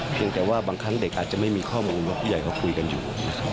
แต่ว่าบางครั้งเด็กอาจจะไม่มีข้อมูลว่าผู้ใหญ่เขาคุยกันอยู่